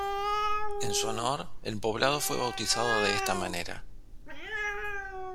En su honor, el poblado fue bautizado de esta manera.